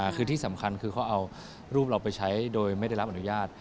คือที่สำคัญคือเขาเอารูปเราไปใช้โดยไม่ได้รับอนุญาต